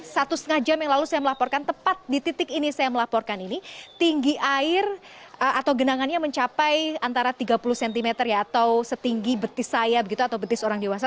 satu setengah jam yang lalu saya melaporkan tepat di titik ini saya melaporkan ini tinggi air atau genangannya mencapai antara tiga puluh cm ya atau setinggi betis saya begitu atau betis orang dewasa